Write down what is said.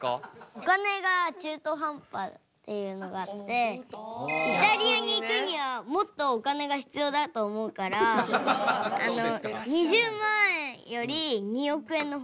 お金が中途半端っていうのがあってイタリアに行くにはもっとお金が必要だと思うから２０万円より２億円の方がいい。